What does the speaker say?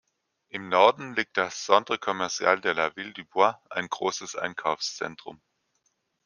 Im Norden liegt das "Centre Commercial de La-Ville-du-Bois", ein großes Einkaufszentrum.